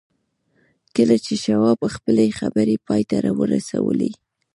کله چې شواب خپلې خبرې پای ته ورسولې